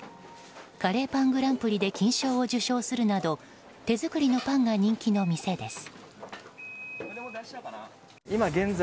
カレーパングランプリで金賞を受賞するなど手作りのパンが人気の店です。